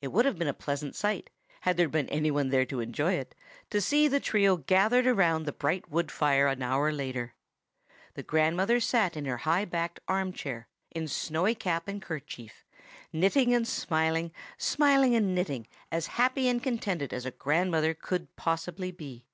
It would have been a pleasant sight, had there been any one there to enjoy it, to see the trio gathered around the bright wood fire an hour later. The grandmother sat in her high backed arm chair, in snowy cap and kerchief, knitting and smiling, smiling and knitting, as happy and contented as a grandmother could possibly be.